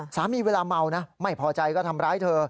เวลาเมานะไม่พอใจก็ทำร้ายเธอ